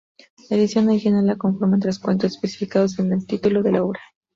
La edición original la conformaban tres cuentos, especificados en el título de la obra.